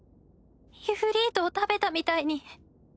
イフリートを食べたみたいに。